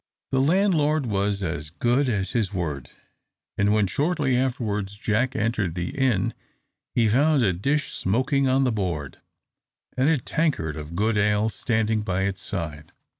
The landlord was as good as his word; and when shortly afterwards Jack entered the inn, he found a dish smoking on the board, and a tankard of good ale standing by its side.